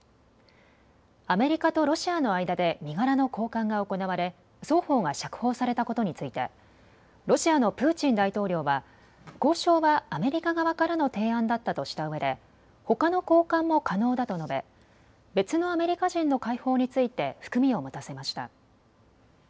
アメリカとロシアの間で身柄の交換が行われ双方が釈放されたことについてロシアのプーチン大統領は交渉はアメリカ側からの提案だったとしたうえでほかの交換も可能だと述べ別のアメリカ人の解放について含みを持たせました。